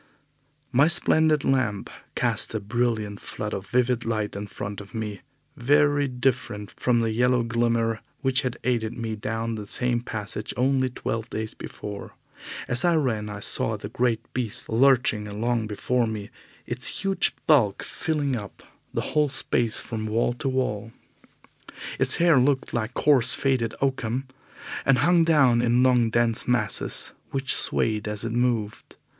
My splendid lamp cast a brilliant flood of vivid light in front of me, very different from the yellow glimmer which had aided me down the same passage only twelve days before. As I ran, I saw the great beast lurching along before me, its huge bulk filling up the whole space from wall to wall. Its hair looked like coarse faded oakum, and hung down in long, dense masses which swayed as it moved.